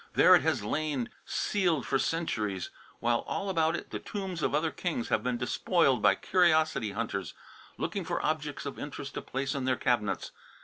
"There it has lain sealed for centuries, while all about it the tombs of other kings have been despoiled by curiosity hunters looking for objects of interest to place in their cabinets.